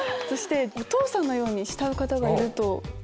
そしてお父さんのように慕う方がいると。